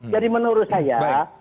jadi menurut saya